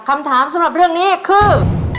คำถามสำหรับเรื่องนี้คือ